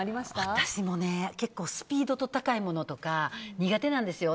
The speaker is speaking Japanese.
私も結構スピードと高いものとか苦手なんですよ。